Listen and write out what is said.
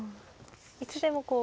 いつでもこう。